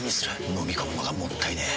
のみ込むのがもったいねえ。